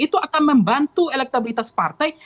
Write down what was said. itu akan membantu elektabilitas partai